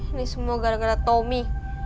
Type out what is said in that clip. ini semua gara gara tommy